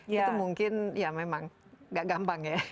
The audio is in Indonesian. itu mungkin ya memang gak gampang ya